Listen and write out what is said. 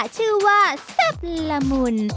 ชื่อว่าแซ่บละมุน